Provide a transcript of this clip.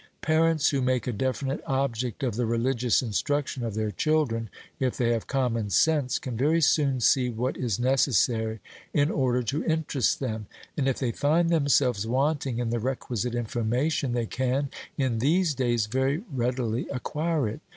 Parents who make a definite object of the religious instruction of their children, if they have common sense, can very soon see what is necessary in order to interest them; and, if they find themselves wanting in the requisite information, they can, in these days, very readily acquire it.